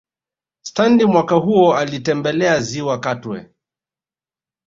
Stanley mwaka huo alitembelea Ziwa Katwe